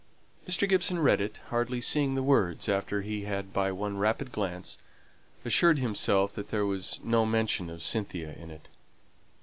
Mr. Gibson read it, hardly seeing the words after he had by one rapid glance assured himself that there was no mention of Cynthia in it.